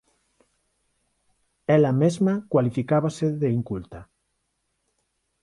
Ela mesma cualificábase de "inculta".